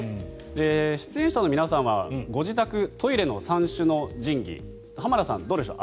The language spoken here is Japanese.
出演者の皆さんはご自宅にトイレの三種の神器浜田さん、どうでしょう。